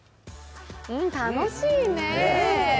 楽しいね。